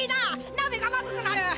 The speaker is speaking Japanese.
鍋が不味くなる！